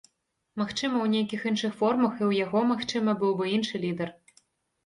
Магчыма, у нейкіх іншых формах, і ў яго, магчыма, быў бы іншы лідар.